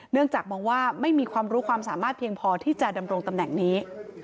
จากมองว่าไม่มีความรู้ความสามารถเพียงพอที่จะดำรงตำแหน่งนี้